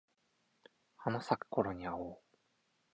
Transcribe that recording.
桜咲くころに会おう